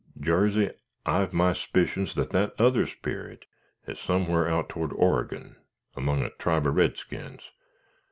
Jarsey, I've my s'picions that that other sperit is somewhere out toward Oregon, 'mong a tribe of redskins.